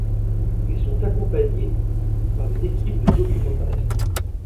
Ils sont accompagnés par une équipe de documentaristes.